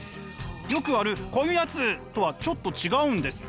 よくあるこういうやつとはちょっと違うんです。